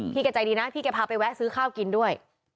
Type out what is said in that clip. แกใจดีนะพี่แกพาไปแวะซื้อข้าวกินด้วย